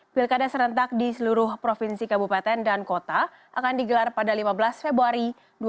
pilkada serentak di seluruh provinsi kabupaten dan kota akan digelar pada lima belas februari dua ribu dua puluh